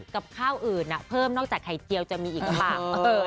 กับข้าวอื่นเพิ่มนอกจากไข่เจียวจะมีอีกหรือเปล่า